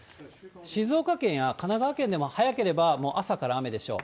静岡県や神奈川県でも早ければ朝から雨でしょう。